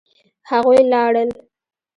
هغوی لاړل.